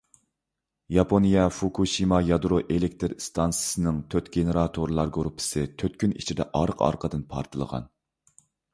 ياپونىيە فۇكۇشىما يادرو ئېلېكتىر ئىستانسىسىنىڭ تۆت گېنېراتورلار گۇرۇپپىسى تۆت كۈن ئىچىدە ئارقا-ئارقىدىن پارتلىغان.